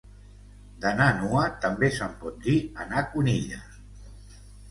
D'anar nua també se'n pot dir anar conilla